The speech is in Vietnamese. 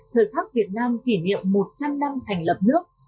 thời khắc việt nam kỷ niệm một trăm linh năm thành lập nước